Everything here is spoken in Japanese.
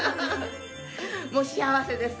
もう幸せです。